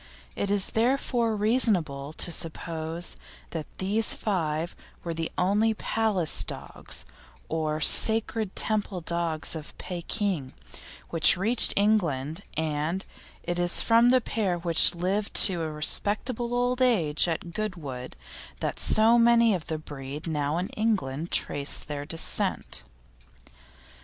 It is therefore reasonable to suppose that these five were the only Palace dogs, or Sacred Temple dogs of Pekin, which reached England, and it is from the pair which lived to a respectable old age at Goodwood that so many of the breed now in England trace their descent.